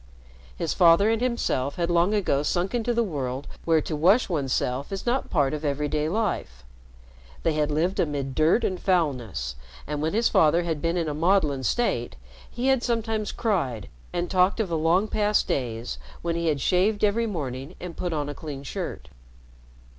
His father and himself had long ago sunk into the world where to wash one's self is not a part of every day life. They had lived amid dirt and foulness, and when his father had been in a maudlin state, he had sometimes cried and talked of the long past days when he had shaved every morning and put on a clean shirt.